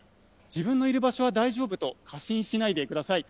自分のいる場所は大丈夫と過信しないでください。